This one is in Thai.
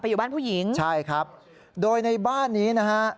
อยู่บ้านผู้หญิงใช่ครับโดยในบ้านนี้นะฮะ